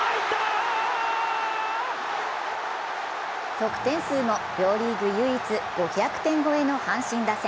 得点数も両リーグ唯一５００点超えの阪神打線。